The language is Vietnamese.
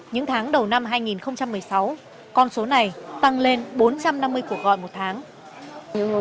những tháng đầu năm hai nghìn một mươi sáu con số này tăng lên bốn trăm năm mươi cuộc gọi một tháng